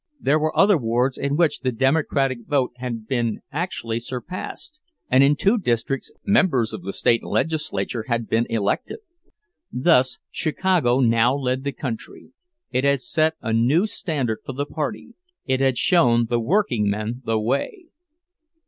There were other wards in which the Democratic vote had been actually surpassed, and in two districts, members of the state legislature had been elected. Thus Chicago now led the country; it had set a new standard for the party, it had shown the workingmen the way!